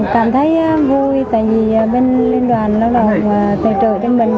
cảm thấy vui tại vì bên liên đoàn lao động tài trợ cho mình